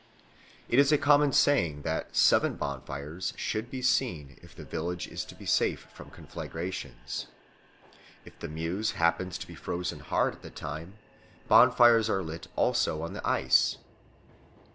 It is a common saying that seven bonfires should be seen if the village is to be safe from conflagrations. If the Meuse happens to be frozen hard at the time, bonfires are lit also on the ice.